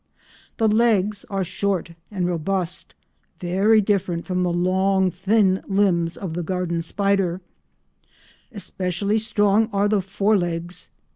The legs are short and robust, very different from the long thin limbs of the garden spider; especially strong are the fore legs.